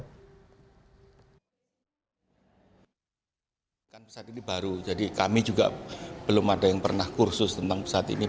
kan pesawat ini baru jadi kami juga belum ada yang pernah kursus tentang pesawat ini